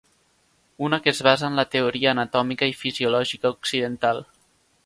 Una que es basa en la teoria anatòmica i fisiològica occidental.